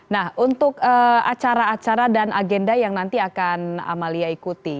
nah untuk acara acara dan agenda yang nanti akan amalia ikuti